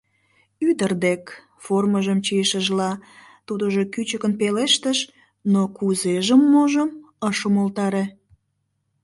— Ӱдыр дек... — формыжым чийышыжла, тудыжо кӱчыкын пелештыш, но кузежым-можым ыш умылтаре.